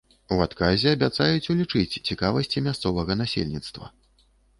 У адказе абяцаюць улічыць цікавасці мясцовага насельніцтва.